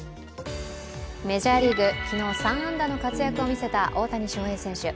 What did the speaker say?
メジャーリーグ、昨日、３安打の活躍を見せた大谷翔平選手。